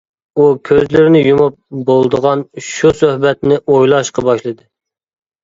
ئۇ كۆزلىرىنى يۇمۇپ بولىدىغان شۇ سۆھبەتنى ئويلاشقا باشلىدى.